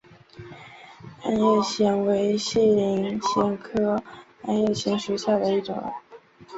鞍叶藓为细鳞藓科鞍叶藓属下的一个种。